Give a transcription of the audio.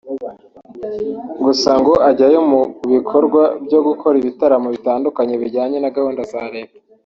gusa ngo ajyayo mu bikorwa byo gukora ibitaramo bitandukanye bijyane na gahunda za Leta